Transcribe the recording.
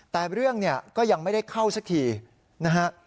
แต่เรื่องเนี่ยก็ยังไม่ได้เข้าสักทีนะฮะ